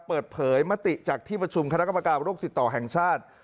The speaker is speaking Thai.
เปิดเผยมติจากที่ประชุมคณะกรรมการโรคติดต่อแห่งชาติ